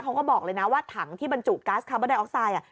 เขาบอกเลยนะว่าถังที่บรรจุก๊าซคาร์บอนไดออกไซด์